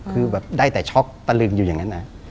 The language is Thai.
คือแบบได้แต่ช็อกตะลึงอยู่อย่างนั้น